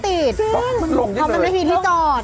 เพราะมันไม่มีที่จอด